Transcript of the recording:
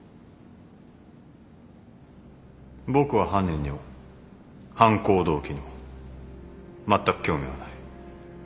僕は犯人にも犯行動機にもまったく興味はない。